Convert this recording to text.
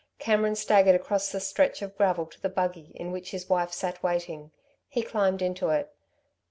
Cameron staggered across the stretch of gravel to the buggy in which his wife sat waiting. He climbed into it.